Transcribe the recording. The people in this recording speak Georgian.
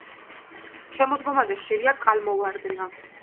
შემოდგომაზე ხშირია წყალმოვარდნა.